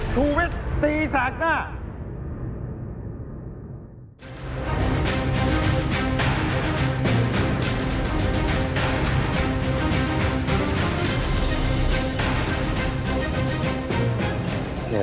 ทูวิสต์ตีสากหน้า